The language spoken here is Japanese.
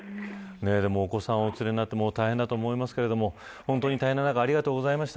お子さんをお連れになって大変だと思いますが大変な中本当にありがとうございました。